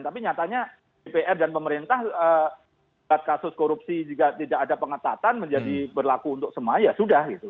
tapi nyatanya dpr dan pemerintah buat kasus korupsi juga tidak ada pengetatan menjadi berlaku untuk semua ya sudah gitu